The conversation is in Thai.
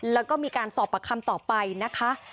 แล้วก็มีการสอบประคำต่อไปนะคะ